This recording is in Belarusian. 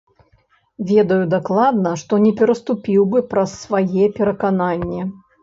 Ведаю дакладна, што не пераступіў бы праз свае перакананні.